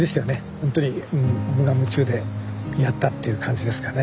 ほんとに無我夢中でやったっていう感じですかね。